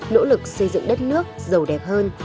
nỗ lực xây dựng đất nước giàu đẹp hơn